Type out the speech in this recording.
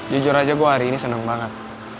jujur aja gue hari ini senang banget